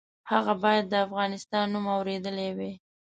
هغه باید د افغانستان نوم اورېدلی وي.